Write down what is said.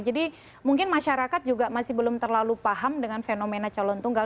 jadi mungkin masyarakat juga masih belum terlalu paham dengan fenomena calon tunggal